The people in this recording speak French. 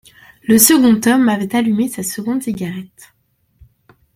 Le second homme avait allumé sa seconde cigarette.